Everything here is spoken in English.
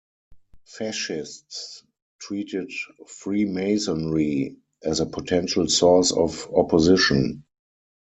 Fascists treated Freemasonry as a potential source of opposition.